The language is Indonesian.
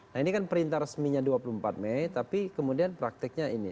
nah ini kan perintah resminya dua puluh empat mei tapi kemudian prakteknya ini